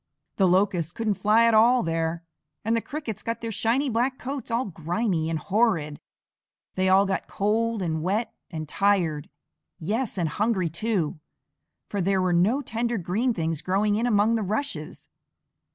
The Locusts couldn't fly at all there, and the Crickets got their shiny black coats all grimy and horrid. They all got cold and wet and tired yes, and hungry too, for there were no tender green things growing in among the rushes.